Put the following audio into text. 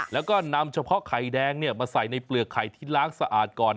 แล้วก็นำเฉพาะไข่แดงมาใส่ในเปลือกไข่ที่ล้างสะอาดก่อน